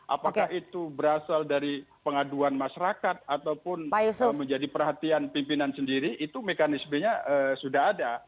apakah itu berasal dari pengaduan masyarakat ataupun menjadi perhatian pimpinan sendiri itu mekanismenya sudah ada